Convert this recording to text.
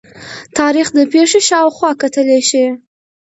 تاریخ د پېښې شا او خوا کتلي شي.